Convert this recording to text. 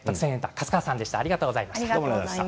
粕川さんでした。